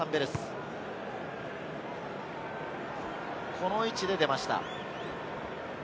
この位置で出ました。